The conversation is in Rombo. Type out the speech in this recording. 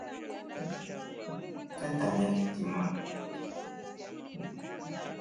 Twe tamia kitima.